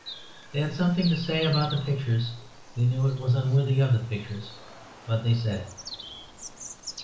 They had something to say about the pictures; they knew it was unworthy of the pictures, but they said it.